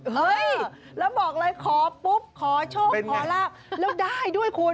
เฮ้ยแล้วบอกเลยขอปุ๊บขอโชคขอลาบแล้วได้ด้วยคุณ